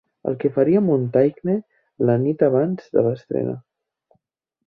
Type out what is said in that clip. El que faria Montaigne la nit abans de l'estrena.